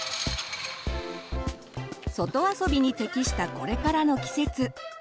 外遊びに適したこれからの季節。